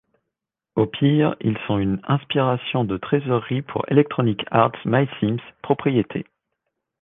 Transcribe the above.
Au pire, ils sont une inspiration de trésorerie pour Electronic Arts MySims propriété.